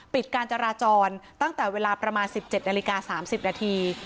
ปิดการจราจรตั้งแต่เวลาประมาณ๑๗นาฬิกา๓๐นาที